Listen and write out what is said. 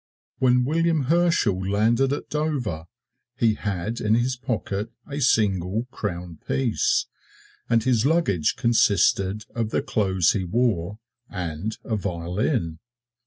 When William Herschel landed at Dover he had in his pocket a single crownpiece, and his luggage consisted of the clothes he wore, and a violin.